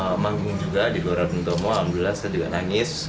saya sempat manggung juga di gelora bung tomo alhamdulillah saya juga nangis